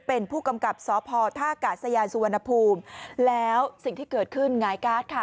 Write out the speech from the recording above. เป็นผู้กำกับสพท่ากาศยานสุวรรณภูมิแล้วสิ่งที่เกิดขึ้นหงายการ์ดค่ะ